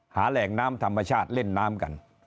แหล่งน้ำธรรมชาติเล่นน้ำกัน